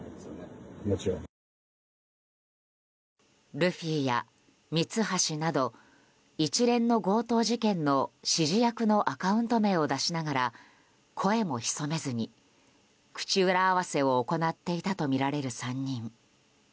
ルフィやミツハシなど一連の強盗事件の指示役のアカウント名を出しながら声も潜めずに口裏合わせを行っていたとみられる３人。